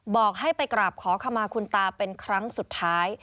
บอกให้ไปกราบขอขมาคุณตาเป็นครั้งสุดท้าย